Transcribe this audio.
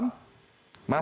mas selamat malam